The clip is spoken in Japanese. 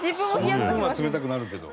その部分は冷たくなるけど。